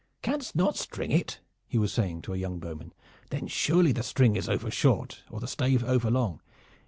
"Canst not string it?" he was saying to a young bowman. "Then surely the string is overshort or the stave overlong.